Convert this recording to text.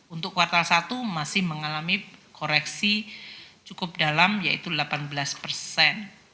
untuk kuartal satu masih mengalami koreksi cukup dalam yaitu delapan belas persen